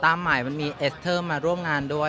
ตามหมายมันมีเอสเทิร์มมาร่วมงานด้วย